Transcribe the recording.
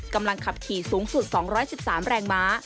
กำลังขับขี่สูงสุด๒๑๓แรงม้า